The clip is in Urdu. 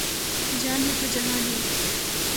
جان ہے تو جہان ہے